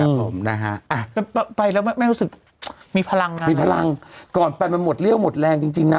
แล้วไม่รู้สึกมีพลังมีพลังก่อนไปมันหมดเลี่ยวหมดแรงจริงจริงนะ